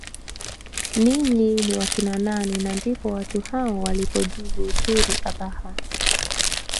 Ninyi ni wakina nani na ndipo watu hao walipojibu turi Abhaha